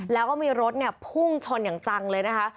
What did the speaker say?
แล้วก็มีรถเนี่ยพุ่งชนอย่างจังเลยนะคะ